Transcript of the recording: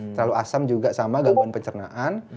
terlalu asam juga sama gangguan pencernaan